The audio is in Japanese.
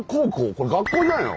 これ学校じゃないの？